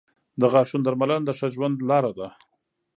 • د غاښونو درملنه د ښه ژوند لار ده.